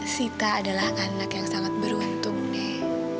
sita adalah anak yang sangat beruntung nih